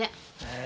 ええ？